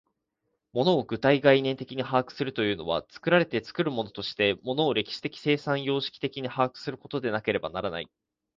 物を具体概念的に把握するというのは、作られて作るものとして物を歴史的生産様式的に把握することでなければならない。